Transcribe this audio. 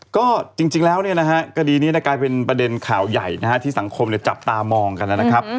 ก็จริงแล้วเนี่ยนะฮะคดีนี้กลายเป็นประเด็นข่าวใหญ่นะฮะที่สังคมจับตามองกันนะครับ